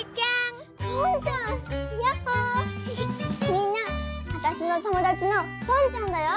みんな私の友だちのぽんちゃんだよ！